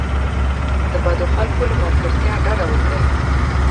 د بدو خلکو له ملګرتیا ډډه وکړئ.